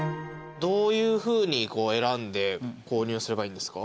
どういうふうに選んで購入すればいいんですか？